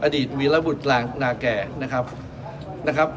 อดีตวิรบุตรนาแก่นะครับ